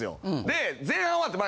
で前半おわって。